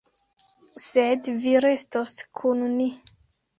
Sed vi restos kun ni.